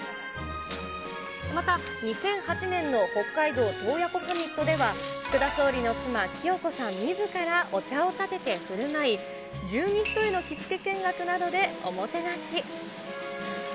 また、２００８年の北海道洞爺湖サミットでは、福田総理の妻、貴代子さんみずから、お茶をたててふるまい、十二単の着付け見学などでおもてなし。